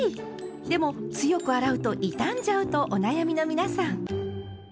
でも強く洗うと傷んじゃうとお悩みの皆さん。